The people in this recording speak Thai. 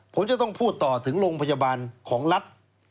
ผมจะต้องพูดต่อถึงโรงพยาบาลของรัฐ